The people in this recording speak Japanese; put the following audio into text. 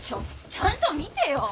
ちゃんと見てよ。